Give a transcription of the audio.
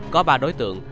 có ba đối tượng